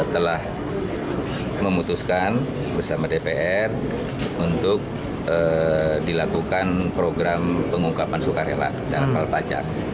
telah memutuskan bersama dpr untuk dilakukan program pengungkapan sukarela dalam hal pajak